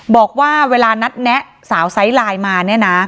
บอกว่าเวลานัดแนะสาวไซรายมา